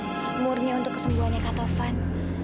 nah murni untuk kesembuhannya kak tovan